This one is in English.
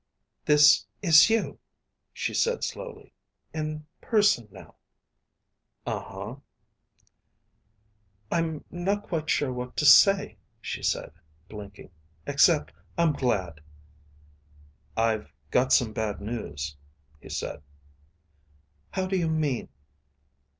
"This is you," she said slowly. "In person now." "Uh huh." "I'm not quite sure what to say," she said, blinking. "Except I'm glad." "I've got some bad news," he said. "How do you mean?"